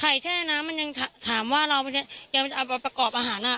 แช่น้ำมันยังถามว่าเรายังเอาไปประกอบอาหารอ่ะ